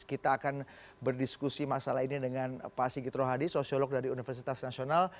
kita akan berdiskusi masalah ini dengan pak sigit rohadi sosiolog dari universitas nasional